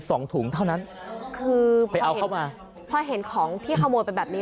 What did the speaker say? ถุงเท่านั้นคือไปเอาเข้ามาพอเห็นของที่ขโมยไปแบบนี้